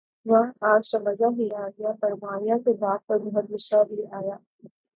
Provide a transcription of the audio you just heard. واہ آج تو مزہ ہی آ گیا پر ماریہ کے باپ پر بہت غصہ بھی آیا